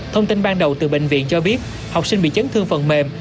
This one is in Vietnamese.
thông tin ban đầu từ bệnh viện cho biết học sinh bị chấn thương phần mềm